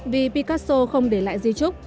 vì picasso không để lại di trúc